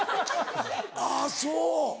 あぁそう！